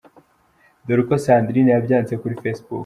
Dore uko Sandrine yabyanditse kuri facebook.